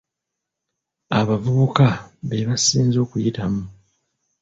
Abavubuka be basinze okuyitamu.